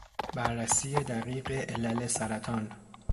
بررسی دقیق علل سرطان